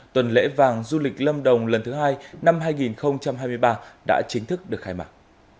tuần lễ vàng du lịch lâm đồng lần thứ hai năm hai nghìn hai mươi ba đã chính thức được khai mạc